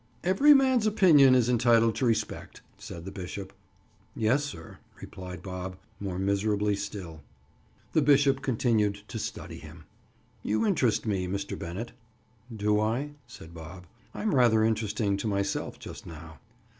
"Every man's opinion is entitled to respect," said the bishop. "Yes, sir," replied Bob, more miserably still. The bishop continued to study him. "You interest me, Mr. Bennett." "Do I?" said Bob. "I'm rather interesting to myself just now."